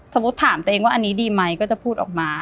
สมมุติถามตัวเองว่าอันนี้ดีไหมก็จะพูดออกมา